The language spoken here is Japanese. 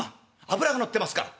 脂が乗ってますから。